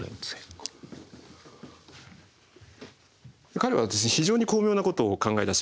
彼は非常に巧妙なことを考え出します。